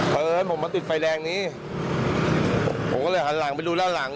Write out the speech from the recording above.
เฮ้ยผมมาติดไฟแดงนี้ผมก็เลยหันหลังไปดูด้านหลัง